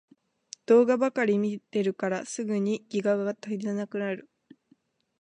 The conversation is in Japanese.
動画ばかり見てるからすぐにギガが足りなくなる